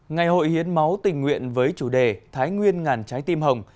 ngày hội hiến máu tình nguyện với chủ đề thái nguyên ngàn trái tim hồng